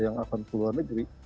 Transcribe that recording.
yang akan ke luar negeri